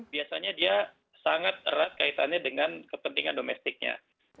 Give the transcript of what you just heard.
biasanya dia sangat erat kaitannya dengan kepentingan domestiknya